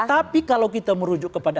tapi kalau kita merujuk kepada